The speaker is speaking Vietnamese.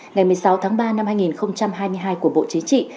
ngày một mươi sáu tháng ba năm hai nghìn hai mươi hai của bộ chính trị